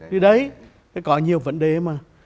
thì đấy có nhiều vấn đề mà